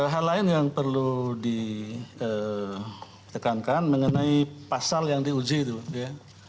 hal lain yang perlu ditekankan mengenai pasal yang diuji itu ya